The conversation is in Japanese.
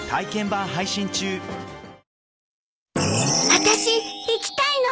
私行きたいの！